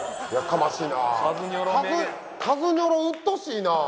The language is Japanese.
カズニョロうっとうしいなあ。